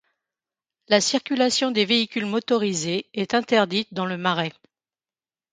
La circulation des véhicules motorisés est interdite dans le marais.